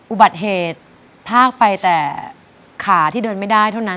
อุบัติเหตุพรากไปแต่ขาที่เดินไม่ได้เท่านั้น